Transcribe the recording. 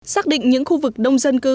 xác định những khu vực đông dân cư